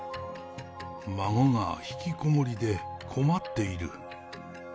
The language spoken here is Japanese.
孫が引きこもりで、困っている。